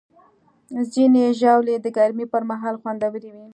ځینې ژاولې د ګرمۍ پر مهال خوندورې وي.